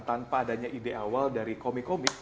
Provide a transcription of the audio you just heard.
tanpa adanya ide awal dari komik komik